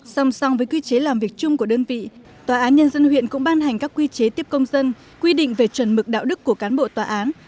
song song với quy chế làm việc chung của đơn vị tòa án nhân dân huyện cũng ban hành các quy chế tiếp công dân